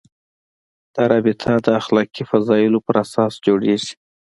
دا رابطه د اخلاقي فضایلو پر اساس جوړېږي.